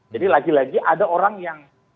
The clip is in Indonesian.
jadi lagi lagi ada orang yang